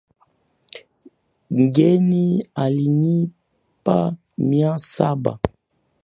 Ngeni alinipa Mia saba